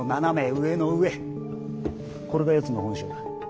これがやつの本性だ。